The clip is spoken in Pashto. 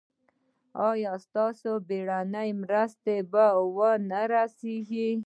ایا ستاسو بیړنۍ مرسته به ور نه رسیږي؟